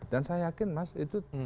dan saya yakin mas itu